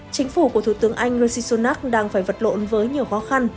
chính phủ của thủ tướng anh rishi sunak đang phải vật lộn với nhiều khó khăn